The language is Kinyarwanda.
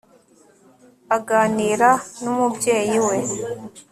aganira n'umubyeyi we